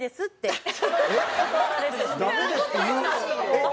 えっ？